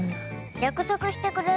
約束してくれる？